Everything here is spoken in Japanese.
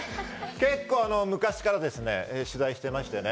結構、昔から取材してましてね。